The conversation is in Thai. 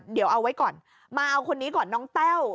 เดี๋ยวเอาไว้ก่อนมาเอาคนนี้ก่อนน้องแต้ว